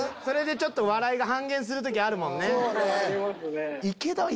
それでちょっと笑いが半減する時あるもんね。